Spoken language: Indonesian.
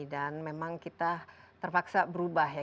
dan memang kita terpaksa berubah ya